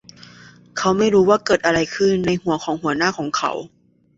เขาไม่รู้ว่าเกิดอะไรขึ้นในหัวของหัวหน้าของเขา